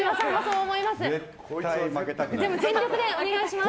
でも全力でお願いします。